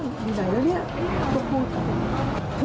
คนสู้ก็บอกเสมอค่ะว่า